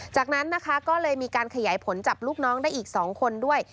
จากนั้นนะคะก็เลยมีการขยายผลจับลูกน้องได้อีก๒คนด้วย